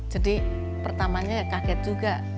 jadi pertamanya kaget juga